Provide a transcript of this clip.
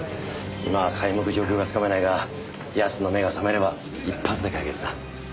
今は皆目状況がつかめないが奴の目が覚めれば一発で解決だ。